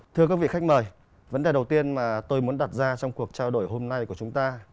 thưa các vị khách mời vấn đề đầu tiên mà tôi muốn đặt ra trong cuộc trao đổi hôm nay của chúng ta